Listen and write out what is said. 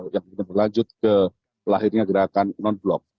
yang berlanjut ke pelahirnya gerakan non block